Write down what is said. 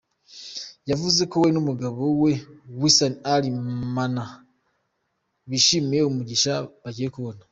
Yavuze ko we n’umugabo we Wissam Al Mana bishimiye umugisha bagiye kubona.